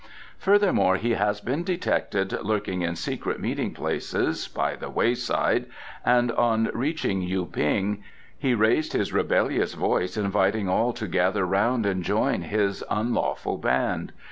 "Furthermore, he has been detected lurking in secret meeting places by the wayside, and on reaching Yu ping he raised his rebellious voice inviting all to gather round and join his unlawful band.